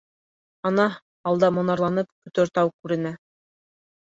Ана, алда монарланып Көтөртау күренә.